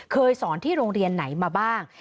เคยสอนที่โรงเรียนไหนมาบ้าง